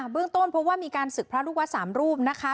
เรื่องต้นพบว่ามีการศึกพระลูกวัด๓รูปนะคะ